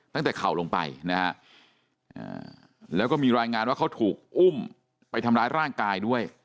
เข่าลงไปนะฮะแล้วก็มีรายงานว่าเขาถูกอุ้มไปทำร้ายร่างกายด้วย